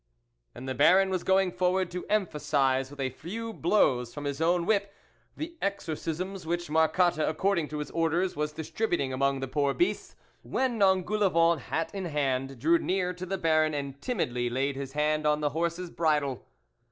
And the Baron was going forward to emphasise with a few blows from his own whip the exorcisims which Marcotte, according to his orders, was distributing among the poor beasts, when Engoule vent, hat in hand, drew near to the Baron and timidly laid his hand on the horse's bridle.